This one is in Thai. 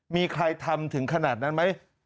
มีใครทำถึงขนาดนั้นไหม